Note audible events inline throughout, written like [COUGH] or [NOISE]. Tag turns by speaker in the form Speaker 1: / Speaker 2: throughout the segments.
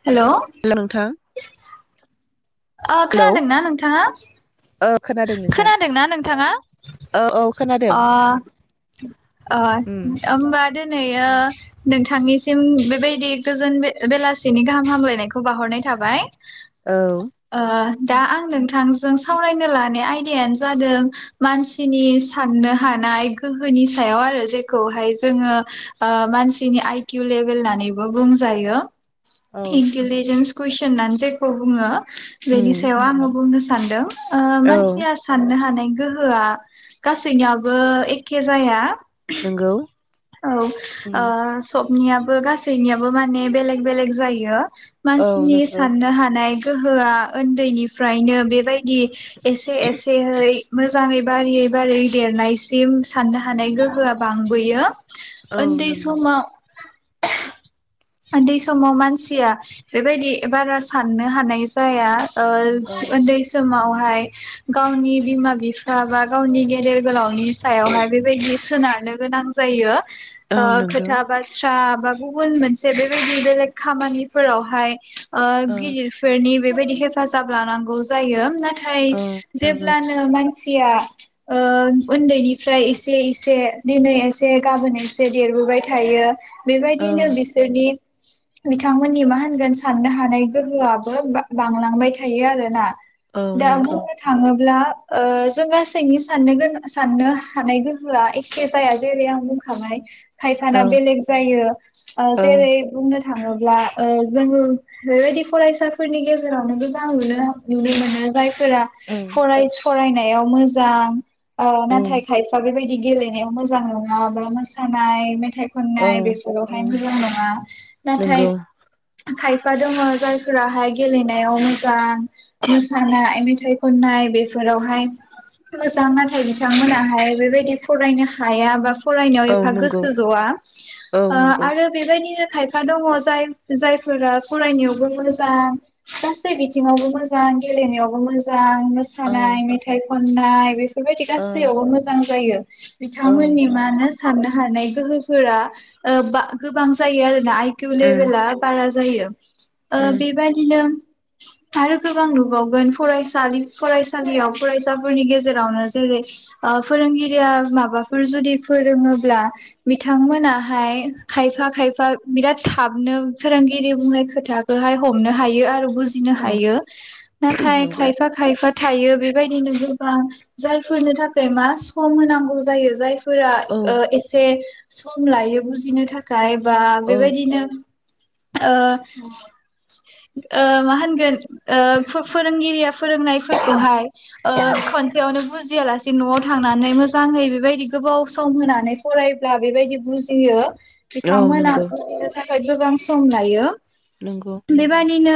Speaker 1: औ।
Speaker 2: हेल नोंथां।
Speaker 1: ओ
Speaker 2: हेलौ
Speaker 1: खोनादोंना नोंथाङा?
Speaker 2: औ खोनादों नोंथां
Speaker 1: खोनादोंना नोंथाङा
Speaker 2: औ औ खोनादों
Speaker 1: अ अ
Speaker 2: उम
Speaker 1: होमबा दिनैयो नोंथांनिसिम बेबायदि गोजोन बेल बेलासिनि गाहाम हामलायनायखौ बाहरनाय थाबाय
Speaker 2: औ
Speaker 1: ओ दा आं नोंथां जों सावरायनो लानाय आयदाया जादों मानसिनि साननो हानाय गोहोनि सायाव आरो जेखौहाय जोङो ओ मानसिनि आइकिउ लेभेल होननानैबो बुंजायो इन्टेलिजेन्स कुइसन जेखौ बुङो
Speaker 2: उम
Speaker 1: बेनि सायाव आङो बुंनोसै सान्दों ओ
Speaker 2: औ
Speaker 1: मानसिया साननो हानाय गोहोआ गासैनियाबो एखे जाया।
Speaker 2: नंगौ
Speaker 1: औ ओ
Speaker 2: औ
Speaker 1: सबनियाबो गासैनियाबो माने बेलेक बेलेग जायो। मानसिनि
Speaker 2: नंगौ
Speaker 1: साननो हानाय। गोहोआ उन्दैनिफ्रायनो बेबायदि। बिदि एसे एसेहै। मोजाङै बारायै बारायै देरनायसिम साननो हानाय गोहोआ बांबोयो।
Speaker 2: औ
Speaker 1: उन्दै
Speaker 2: नंगौ
Speaker 1: समाव। उन्दै समाव मानसि या बेबायदि। बारा साननो हानाय जाया। ओ उन्दै
Speaker 2: औ
Speaker 1: समावहाय। गावनि बिमा बिफा बा गावनि गेदेर गोलावनि। सायावहाय बेबायदि सोनारनो गोनां जायो। ओ
Speaker 2: नंगौ
Speaker 1: खोथा बाथ्रा। बा गुबुन मोन से बेबायदि बेलेग खामानिफोरावहाय। ओ
Speaker 2: औ
Speaker 1: गिदिरफोरनि। बेबायदि हेफाजाब लानांगौ जायो। नाथाय
Speaker 2: औ नंगौ
Speaker 1: जेब्लानो मानसि। या उन्दैनिफ्राय एसे एसे दिनै एसे गाबोन एसे देरबोबाय थायो।
Speaker 2: औ
Speaker 1: बेबायदिनो। बिदि बिथांमोननि मा होनगोन साननो हानाय गोहोआबो बांलांबाय थायो आरो ना।
Speaker 2: औ
Speaker 1: दा
Speaker 2: नंगौ
Speaker 1: बुंनो थाङोब्ला। जों गासैनि साननो गोनां साननो हानाय गोहोआ एखे जाया जेरै आं बुंखाबाय।
Speaker 2: औ
Speaker 1: खायफाना बेलेग जायो। जेरै बुंनो थाङोब्ला। आरो बेबायदि फरायसाफोरनि गेजेरावनो मोजां मोनो। नुनो मोनो जायफोरा
Speaker 2: उम
Speaker 1: फराय फरायनाय। मोजां
Speaker 2: उम
Speaker 1: नाथाय खायफा बेबायदि गेलेनायाव मोजां नङा बा मोसानाय। मेथाइ
Speaker 2: औ
Speaker 1: खननाय बेसोरो। [UNINTELLIGIBLE]
Speaker 2: औ
Speaker 1: मोजां नङा नाथाय
Speaker 2: नंगौ
Speaker 1: खाय [UNINTELLIGIBLE] जायफोराहाय गेलनाय नायाव मोजां मोसानाय मेथाइ खननाय बेफोरावहाय मोजां नाथाय बिथांमोनाहाय बेबायदि फरायनो हाया बा फरायनायाव
Speaker 2: औ
Speaker 1: एफा
Speaker 2: नंगौ
Speaker 1: गोसो ज'आ।
Speaker 2: औ
Speaker 1: ओ
Speaker 2: नंगौ
Speaker 1: आरो बेबायदिनो खायफा दङ जाय जायफोरा फरायनायावबो मोजां गासै बिथिङावबो मोजां गेलेनायावबो मोजां। आं
Speaker 2: औ
Speaker 1: मोसानाय मेथाइ खननाय बे फोरबायदि
Speaker 2: औ
Speaker 1: गासैयावबो मोजां जायो।
Speaker 2: औ
Speaker 1: बिथांमोननि
Speaker 2: नंगौ
Speaker 1: मानो साननो हानाय गोहोफोरा ओ बा गोबां जायो आरो। ना आइक्युउ
Speaker 2: उम
Speaker 1: लेबेला बारा जायो। ओ
Speaker 2: उम
Speaker 1: बेबादिनो आरो गोबां नुबावगोन फरायसालि फरायसालियाव फरायसाफोरनि गेजेरावनो जेरै ओ फोरोंगिरिया माबाफोर जुदि फोरोङोब्ला बिथांमोना हाय खायफा खायफा बिराद थाबनो फोरोंगिरि बुंनाय खोथाखोहाय हमनो हायो आरो बुजिनो
Speaker 2: औ
Speaker 1: हायो नाथाय
Speaker 2: नंगौ
Speaker 1: खायफा खायफा थायो बेबायदिनो गोबां जायफोरनो थाखाय मा सम होनांगौ जायो जाय फोरा
Speaker 2: औ
Speaker 1: ओ एसे सम लायो। बुजिनो थाखाय। बा
Speaker 2: औ
Speaker 1: बेबायदिनो ओ ओ मा होनगोन ओ फो-फोरोंगिरिया फोरोंनाय फोरखौहाय ओ खनसेआवनो बुज जिया लासे न'आव थांनानै मोजाङै बेबायदि गोबाव सम होनानै फरायब्ला बेबायदि बु जियो।
Speaker 2: औ
Speaker 1: बिथांमोना
Speaker 2: नंगौ
Speaker 1: बुजिनो था खाय गोबां सम लायो।
Speaker 2: नोंगौ।
Speaker 1: नो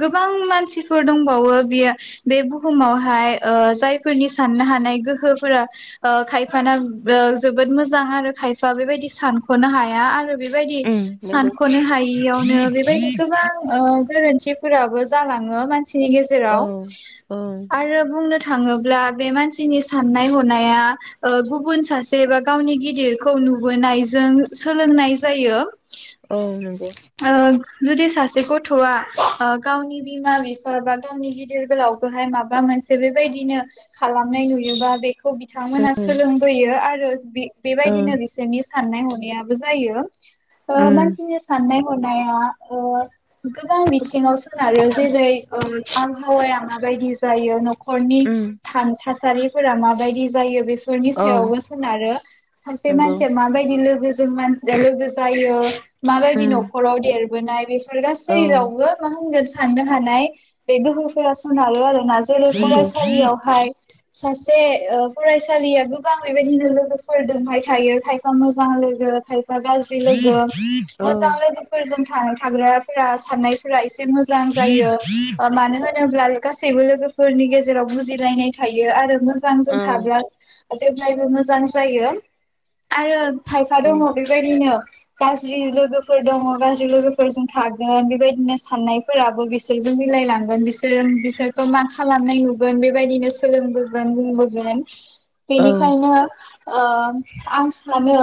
Speaker 1: गोबां मानसिफोर दंबावो बियो बे बुहुमावहाय ओ जायफोरनि साननो हानाय गोहोफोरा ओ खायफाना ओ जोबोद मोजां आरो खायफा बेबायदि सानख'नो हाया आरो बेबायदि
Speaker 2: उम नंगौ
Speaker 1: सानख'नो हायियावनो बेबायदि
Speaker 2: औ
Speaker 1: गोबां ओ गोरोन्थिफोराबो जालांङो मान सिनि गेजेराव
Speaker 2: औ
Speaker 1: आरो बुंनो थाङोब्ला बे मानसिनि साननाय हनाया ओ गुबुन सासे बा गावनि गिदिरखौ नुबोनाय जों सोलोंनाय जायो।
Speaker 2: औ नंगौ
Speaker 1: ओ जुदि सासे गथ'आ ओ गावनि बिमा बिफा बा गावनि गिदिर गोलावखौहाय माबा मोनसे बेबायदिनो खालामनाय नुयोबा बे खौ बिथांमोना सोलोंबोयो आ रो बि
Speaker 2: औ
Speaker 1: बेबायदिनो बिसोरनि साननाय हनायाबो जायो ।
Speaker 2: उम
Speaker 1: ओ मानसिनि साननाय हनाया ओ गोबां बिथिङाव सोनारो जेरै ओ आबहावा माबायदि जायो न खरननि
Speaker 2: उम
Speaker 1: थान थास थासारिफोरा माबायदि जायो बे फोरनि
Speaker 2: औ
Speaker 1: सायावबो सोनारो सासे
Speaker 2: नंगौ
Speaker 1: मानसिया माबायदि लोगो लोगो जायो जों मानसिया लोगो जायो माबायदि
Speaker 2: उम
Speaker 1: नखराव देर बोनाय बे फोर
Speaker 2: औ
Speaker 1: गासै जेरावबो मा होनगोन साननो हानायनाय बेे गोहोफोरा सोनारो आरो जेरै
Speaker 2: नंगौ औ
Speaker 1: फरायसालियावहाय सासे ओ फरायसालिया गोबां बेबायदिनो लोगोफोरजोंहाय थायो थायफा मोजां लोगो थायफा गाज्रि लोगो मोजां लोगोफोरजों था थाग्राफोरा साननायफोरा एसे मोजां जायो मानो होन होनोब्ला गासैबो लोगोफोरनि गेजेराव बुजिलायनाय थायो आरो मोजां जों थाब्ला जेब्लायबो मोजां जायो आरो खायफा दङ
Speaker 2: औ
Speaker 1: बेबायदिनो गाज ज्रि लोगोफोर दङ गाज्रि लोगोफोरजों थागोन बेबायदिनो साननायफोराबो बिसोरजों मिलायलांगोन बिसोर बिसोरखौ मा खालामनाय नुगोन बेबायदिनो सोलोंबोगोन बुंबोगोन
Speaker 2: औ
Speaker 1: बेनिखायनो ओ आं सानो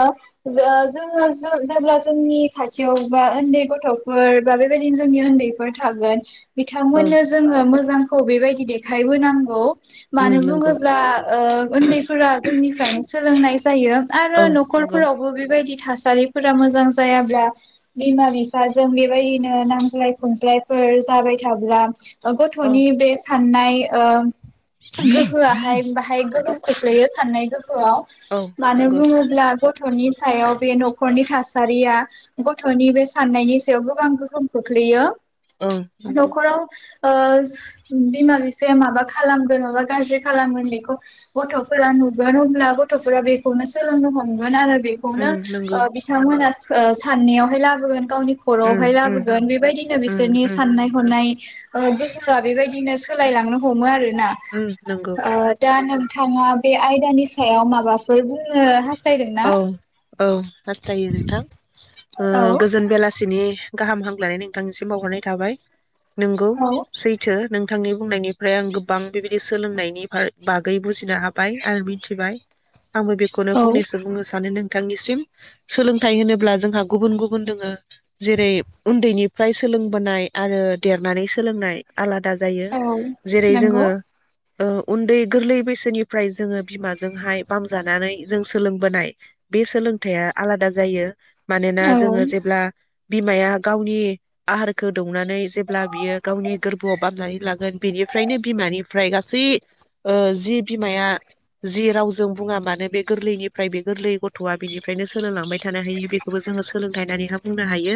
Speaker 1: जो जों जोङो जेब्ला जोंनि खाथियाव बा उन्दै गथ'फोर बा बेबायदिनो जोंनि उन्दैफोर थागोन
Speaker 2: औ
Speaker 1: बिथांमोननो जोङो मोजां खौ बेबायदि देखायबोनांगौ
Speaker 2: उम
Speaker 1: मानो
Speaker 2: नंगौ
Speaker 1: बुङोब्ला ओ उन्दैफोरा जोंनिफ्रायनो सोलोंनाय जायो आरो
Speaker 2: औ नंगौ
Speaker 1: न'खरफोरावबो बेबायदि थास थासारिफोरा मोजां जायाब्ला बिमा बिफाजों बेबायदिनो नांज्लाय खमज्लायफोर जाबाय थाब्ला
Speaker 2: औ
Speaker 1: गथ'नि बे सा साननाय ओ गोहोआहाय बाहाय गोहोम खोख्लैयो साननाय दों आव मानो
Speaker 2: नंगौ
Speaker 1: बुङोब्ला गथ'नि सा सायाव बे न'खरनि थासा थासारिया गथ'नि बे साननायनि सायाव गोबां गोहोम खोख्लैयो
Speaker 2: ओं नंगौ
Speaker 1: न'खराव ओ बिमा बिफाया माबा खालामगोन माबा गाज्रि खालामगोन बेखौ गथ'फोरा नुगोन अब्ला गथ'फोरा बेखौनो सोलोंनो हमगोन आरो बेखौनो
Speaker 2: उम नंगौ
Speaker 1: ओ बिथांमोना ओ साननायावहाय लाबोगोन गावनि
Speaker 2: उम
Speaker 1: खर'आवहाय
Speaker 2: उम
Speaker 1: लाबोगोन बेबायदिनो
Speaker 2: उम
Speaker 1: बिसोरनि
Speaker 2: उम
Speaker 1: साननाय हनाय गोहोआ बेबायदिनो सोलायलांनो हमो आरो ना
Speaker 2: उम नंगौ
Speaker 1: दा नों थाङा बे आयदानि सायाव माबाफोर बुंनो हास
Speaker 2: औ औ हास्थायो नोंथां ओ
Speaker 1: औ
Speaker 2: गोजोन बेलासि नि गाहाम हामलाय नोंथांनिसिम बावहरनाय थाबाय नोंगौ
Speaker 1: औ
Speaker 2: सैथो नों थांनि बुंनायनिफ्राय आं गोबां बेबायदि सोलोंनायनि बागै बुजिनो हाबाय आरो मिथिबाय आंबो बेखौनो फंनैसो बुंनो सानो नोंथांनिसिम सोलोंथाइ होनोब्ला जोंहा गुबुन गुबुन दोङो जेरै उन्दैनिफ्राय सोलोंबोनाय आरो देरनानै सोलोंनाय आलाद दा जायो
Speaker 1: औ
Speaker 2: जेरै
Speaker 1: नंगौ
Speaker 2: जोङो उन्दै गोरलै बैसोनिफ्राय जोङो बिमाजोंहाय बामजानानै जों सो सोलोंबोनाय बे सोलोंथाइया आलादा जायो मानोना
Speaker 1: औ
Speaker 2: जोङो जेब्ला बिमाया गावनि आहारखौ दौनानै जेब्ला बियो गावनि गोरबोआव बामनानै लागोन बेनिफ्रायनो बिमानिफ्राय गासै ओ जि बिमाया जि रावजों बुङा मानो बे गोरलैनि फ्राय बे गोरलै गथ'आ बिनि फ्रायनो सोलोंलांबाय थानो हायो बेखौबो जोङो सोलोंथाइनि हाब बुंनो हायो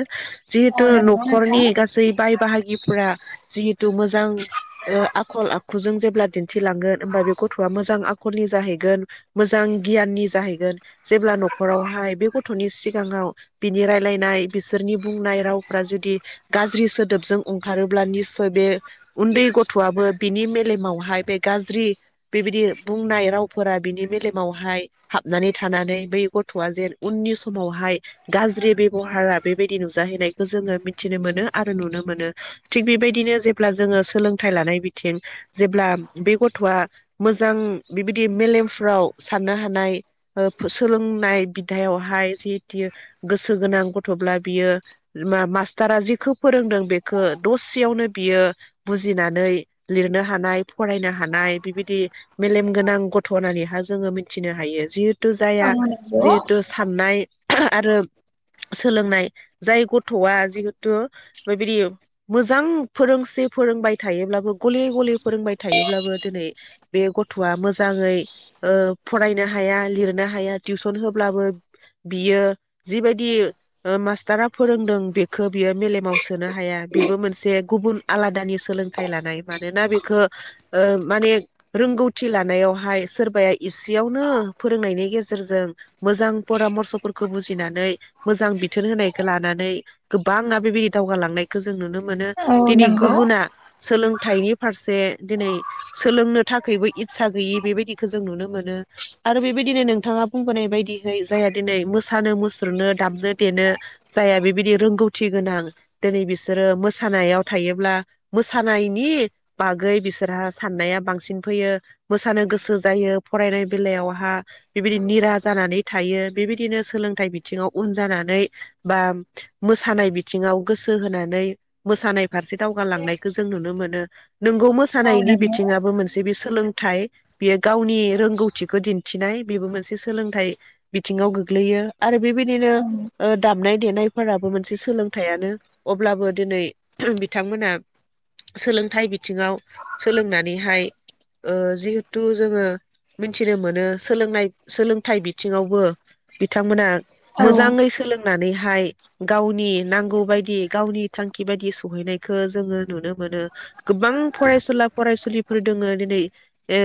Speaker 2: जिहेथु
Speaker 1: औ नंगौ नोंथां
Speaker 2: न'खरनि गासै बाय बाहागिफ्रा जिहेतु मोजां ओ आखल आखुजों जे ब्ला दिन्थिलांगोन होमबा बे गथ'आं आखलनि जाहैगोन मोजां गियानि जाहैगोन जेब्ला न'खरावहाय बे गथ'नि सिगाङाव बिनि रायलायनाय बिसोरनि बुंनाय रावफोरा जुदि गाज्रि सोदोबजों ओंखारोब्ला निस्सय बे उन्दै गथ'आबो बिनि मेलेमावहाय बे गाज्रि बेबायदि बुंनाय रावफोरा बिनि मेलेमावहाय हाबनानै थानानै बै गथ'आ जेन उननि समावहाय गाज्रि बेबहारा बेबायदि नुजाहैनायखौ जोङो मिथिनो मोनो आरो नुनो मोनो थिग बेबायदिनो जेब्ला जोङो सोलोंथाइ लानाय बिथिं जेब्ला बे गथ'आ मोजां बिबायदि मेलेमफ्राव साननो हानाय ओ सोलोंनाय बिदायावहाय जिहेत गोसो गोनां गथ'ब्ला बियो म मास्टारा जेखौ फोरोंदों बेखौ दसेयावनो बियो बुजिनानै लिरनो हानाय फरायनो हानाय बिबायदि मेलेम गोनां गथ' होननानैहााय जोङो मिथिनो हायो [UNINTELLIGIBLE] थु
Speaker 1: औ
Speaker 2: जाया
Speaker 1: नंगौ
Speaker 2: जिहेतु साननाय आरो सोलोंनाय जाय गथ'आ जिहेथु बेबायदि मोजां फोरोंसे फोरोंबाय थायोब्लाबो गले गले फोरोंबाय थायोब्लाबो दिनै बे गथ'आ मोजाङै ओ फरायनो हाया लिरनो हाया टिउसन होब्लाबो बियो जिबायदि ओ मास्टारा फोरोंदों बेखौ बियो मेलेमाव सोनो हाया बेबो मोनसे गुबुन आलादानि सोलोंथाइ लानाय मानोना ओ बेखौ माने रोंगौथि लानायावहाय सोरबाया एसेयावनो फोरोंनायनि गेजेरजों मोजां परामर्स'फोरखौ बुजिनानै मोजां बिथोन होनायखौ लानानै गोबाङा बेबायदि दावगालांनायखौ जों नुनो मोनो
Speaker 1: औ
Speaker 2: दिनै
Speaker 1: नंगौ
Speaker 2: गुबुना सोलोंथाइनि फारसे दिनै सोलोंनो थाखायबो इस्सा गैयि बेबायदिखौ जों नुनो मोनो आरो बेबायदिनो नोंथाङा बुंबोनाय बायदिहै जायहा दिनै मोसानो मुसुरनो दामज देनो जायहा बेबायदि रोंगौथि गोनां दिनै बिसोरो मोसानायाव थायोब्ला मोसानायनि बागै बिसोरहा साननाया बांसिन फैयो मोसानो गोसो जायो फरायनाय बेलायाव हा बेबायदि निरा जानानै थायो बेबायदिनो सोलोंथाइ बिथिङाव उन जानानै बा मोसानाय बिथिङाव गोसो होनानै मोसानाय फारसे दावगालांनायखौ जों नुनो मोनो नोंगौ
Speaker 1: औ
Speaker 2: मोसानायनि
Speaker 1: नंगौ
Speaker 2: बिथिङाबो मोनसे जे बे सोलोंथाइ बियो गावनि रोंगौथिखौ दिन थिनाय बेबो मोनसे सोलोंथाइ बिथिङाव गोग्लैयो आरो बेबायदिनो
Speaker 1: औ
Speaker 2: ओ दामनाय देनायफोराबो मोनसे सोलोंथाइयानो अब्लाबो दिनै बिथांमोना सोलोंथाइ बिथिङाव सोलोंनानैहाय ओ जिहेथु जोङो मिथिनो मोनो सोलोंनाय सोलोंथाइ बिथिङावबो बिथांमोना
Speaker 1: औ
Speaker 2: मोजाङै सोलोंनानैहाय गावनि नांगौ बायदि गावनि थांखि बायदि सहैनायखौ जोङो नुनो मोनो गोबां फरायसुला फरायसुलिफोर दोङो दिनै ओ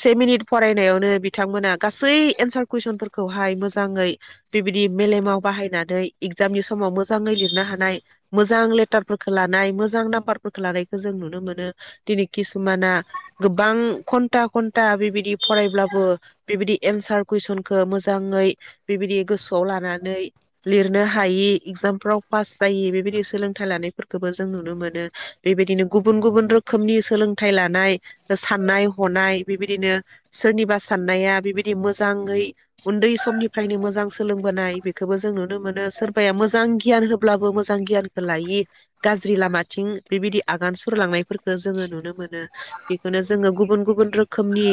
Speaker 2: सेमिनिट फरायनायावनो बिथांमोना गासै एन्सार कुइसनफोरखौहाय मोजाङै बेबायदि मेलेमाव बाहायनानै इगजामनि समाव मोजाङै लिरनो हानाय मोजां लेटारफोरखौ लानाय मोजां नाम्बारफोरखौ लानायखौ जों नुनो मोनो दिनै किसुमाना गोबां घन्टा घन्टा बेबायदि फरायब्लाबो बेबायदि एन्सार कुइसनखौ मोजाङै बेबायदि गोसोआव लानानै लिरनो हायि इगजामफ्राव पास जायो बेबायदि सोलोंथाइ लानायफोरखौबो जों नुनो मोनो बेबायदिनो गुबुन गुबुन रोखोमनि सोलोंथाइ लानाय साननाय हनाय बेबायदिनो सोरनिबा साननाया बेबायदि मोजाङै उन्दै समनिफ्रायनो मोजां सोलोंबोनाय बेखौबो जों नुनो मोनो सोरबाया मोजां गियान होब्लाबो मोजां गियानखौ लायि गाज्रि लामाथिं बेबायदि आगान सुरलांनायफोरखौ जोङो नुनो मोनो बेखौनो जोङो गुबुन गुबुन रोखोमनि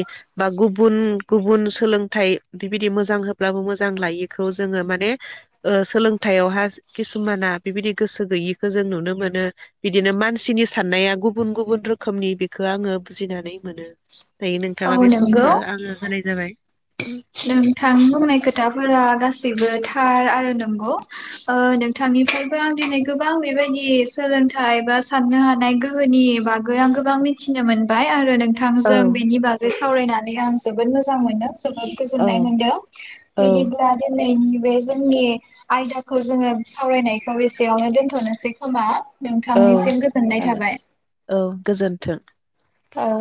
Speaker 2: बा गुबु गुबुन गुबुन सोलोंथाइ बिबायदि मोजां होब्लाबो मोजां लायिखौ जोङो माने ओ सोलोंथायाइयावहा किसुमाना बिबायदि गोसो गैयिखौ जों नुनो मोनो बिदिनो मानसिनि साननाया गुबुन गुबुन रोखोमनि बेखौ आङो बुजिनानै मोनो दायो नोंथाङा
Speaker 1: औ
Speaker 2: बे सम
Speaker 1: नंगौ
Speaker 2: खो आङो होनाय जाबाय
Speaker 1: नोंथां बुंनाय खोथाफोरा गासैबो थार आरो नंगौ ओ नोंथांनिफ्रायबो आं दिनै गोबां बेबायदि सोलोंथाइ बा साननो हानाय गोहोनि बागै आं गोबां मिथिनो मोनबाय आरो
Speaker 2: औ
Speaker 1: नोंथांजों बेनि बागै सावरायनानै आं जोबोद मोजां मोनो
Speaker 2: औ
Speaker 1: गोजोनाय मोनदों
Speaker 2: औ
Speaker 1: बिदिब्ला दि - दिनैनि बे जोंनि आयदाखौ जोङो सावरायनायखौ एसेयावनो दोनथ'नोसै खोमा
Speaker 2: औ
Speaker 1: नोंथांनिसिम गोजोननाय
Speaker 2: जागोन
Speaker 1: थाबाय
Speaker 2: औ गोजोन्थों
Speaker 1: औ